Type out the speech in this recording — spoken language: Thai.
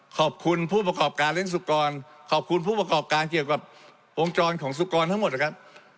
ขอบคุณผู้ประกอบการเล่นสุกรขอบคุณผู้ประกอบการเกี่ยวกับวงจรของสุกรทั้งหมดนะครับ